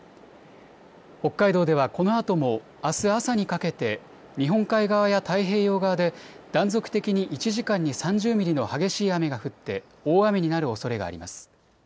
北海道ではこのあともあす朝にかけて日本海側や太平洋側で断続的に１時間に３０ミリの激しい雨が降って大雨になるおそれがあります。